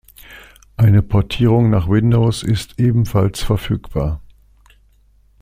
Eine Portierung nach Windows ist ebenfalls verfügbar.